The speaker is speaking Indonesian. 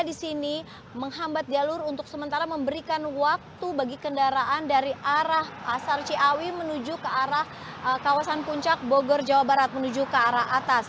di sini menghambat jalur untuk sementara memberikan waktu bagi kendaraan dari arah pasar ciawi menuju ke arah kawasan puncak bogor jawa barat menuju ke arah atas